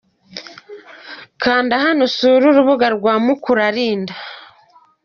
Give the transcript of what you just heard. Kanda hano usure urubuga rwa Mukuralinda.